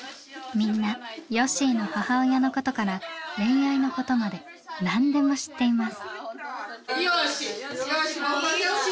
みんなよっしーの母親のことから恋愛のことまで何でも知っています。